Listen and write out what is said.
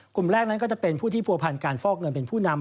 กลุ่มแรกนั้นก็จะเป็นผู้ที่ผัวพันธ์การฟอกเงินเป็นผู้นำ